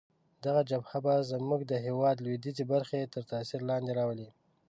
دغه جبهه به زموږ د هیواد لویدیځې برخې تر تاثیر لاندې راولي.